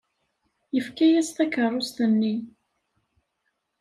Yefka-as takeṛṛust-nni.